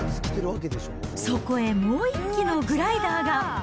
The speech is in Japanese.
そこへもう１機のグライダーが。